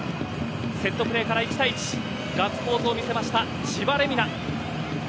セットプレーから１対１ガッツポーズを見せました千葉玲海菜。